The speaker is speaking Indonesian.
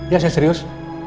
ya saya serius